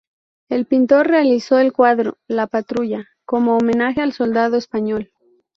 El pintor realizó el cuadro "La patrulla" como homenaje al soldado español.